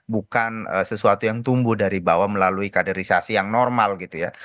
bukan sesuatu yang tumbuh dari bawah melalui kaderisasi yang normal gitu ya